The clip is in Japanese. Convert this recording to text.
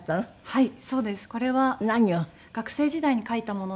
はい。